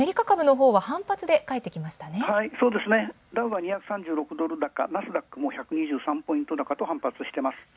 そうですね、ダウは２３６ドル高ナスダックも１２３ポイントと反発しています。